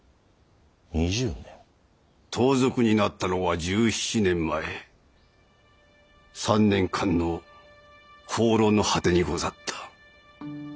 盗賊になったのは１７年前３年間の放浪の果てにござった。